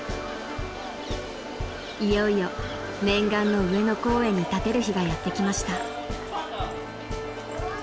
［いよいよ念願の上野公園に立てる日がやって来ました］